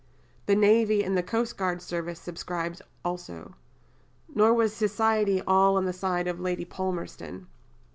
The Navy and the Coastguard Service subscribed also. Nor was "society" all on the side of Lady Palmerston.